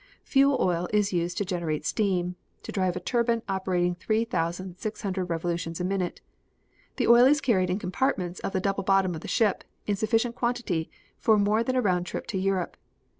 Fuel oil is used to generate steam, to drive a turbine operating three thousand, six hundred revolutions a minute. The oil is carried in compartments of the double bottom of the ship in sufficient quantity for more than a round trip to Europe.